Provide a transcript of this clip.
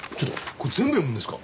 これ全部読むんですか？